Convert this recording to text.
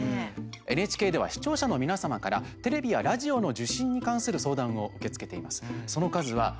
ＮＨＫでは視聴者の皆様からテレビやラジオの受信に関する相談を受け付けています。